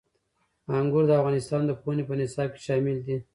انګور د افغانستان د پوهنې په نصاب کې شامل دي.